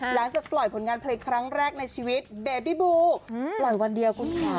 หลังจากปล่อยผลงานเพลงครั้งแรกในชีวิตเบบี้บูปล่อยวันเดียวคุณค่ะ